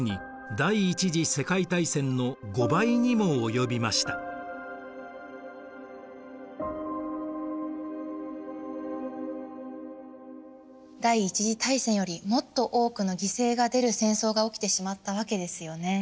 第一次大戦よりもっと多くの犠牲が出る戦争が起きてしまったわけですよね。